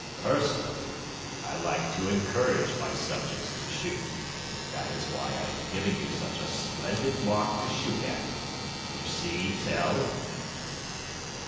Personally, I like to encourage my subjects to shoot; that is why I am giving you such a splendid mark to shoot at. You see, Tell?"